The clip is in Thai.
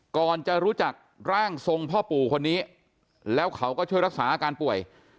ก่อนจะรู้จักร่างทรงพ่อปู่คนนี้แล้วเขาก็ช่วยรักษาอาการป่วย